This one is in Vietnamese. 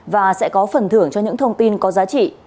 và sẽ có phần thưởng cho những thông tin có giá trị